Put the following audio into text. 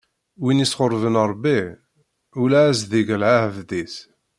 Win isnuɣben Ṛebbi, ula as-d-ig lɛebd-is.